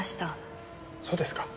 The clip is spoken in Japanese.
そうですか。